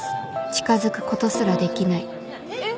近づくことすらできないねっ？